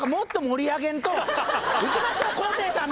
「いきましょう昴生さん！」